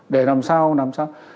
để làm sao làm sao